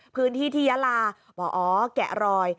พื้นที่ที่ยาลาบอกอ๋อแกะรอย